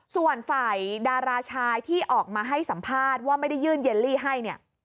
ส่วนฝ่ายดาราชายที่ออกมาให้สัมภาษณ์ว่าไม่ได้ยื่นเยลลี่ให้เนี่ย